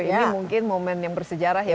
ini mungkin momen yang bersejarah ya